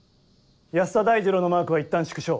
安田大二郎のマークはいったん縮小。